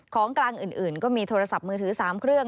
ของกลางอื่นก็มีโทรศัพท์มือถือ๓เครื่อง